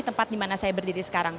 tempat di mana saya berdiri sekarang